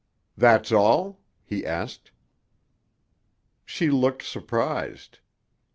"That's all?" he asked. She looked surprised.